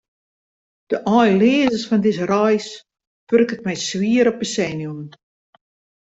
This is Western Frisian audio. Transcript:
De einleazens fan dizze reis wurket my swier op 'e senuwen.